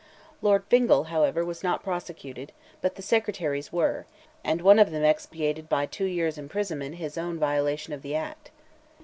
Lord Fingal, however, was not prosecuted, but the Secretaries were, and one of them expiated by two years' imprisonment his violation of the act.